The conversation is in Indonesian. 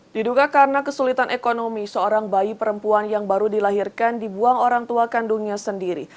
diduga karena kesulitan ekonomi seorang bayi perempuan yang baru dilahirkan dibuang orang tua kandungnya sendiri